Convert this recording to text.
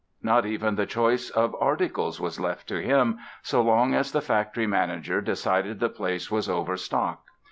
Not even the choice of articles was left to him, so long as the factory manager decided the place was overstocked.